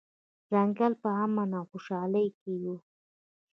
ځنګل په امن او خوشحالۍ کې و.